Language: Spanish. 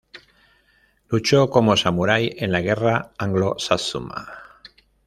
Luchó, como samurai, en la Guerra Anglo-Satsuma.